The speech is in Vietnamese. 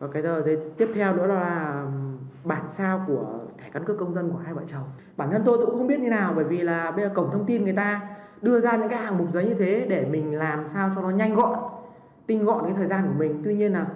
vì phải đi lại nhiều lần